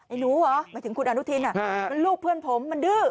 อ๋อไอ้หนูเหรอหมายถึงคุณอันตุธินฯลูกเพื่อนผมมันดื้อ